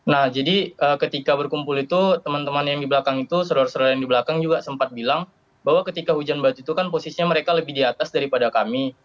nah jadi ketika berkumpul itu teman teman yang di belakang itu saudara saudara yang di belakang juga sempat bilang bahwa ketika hujan batu itu kan posisinya mereka lebih di atas daripada kami